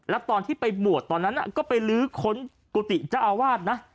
แล้วตอนที่ไปบวชตอนนั้นก็ไปลื้อค้นกุฏิเจ้าอาวาสนะ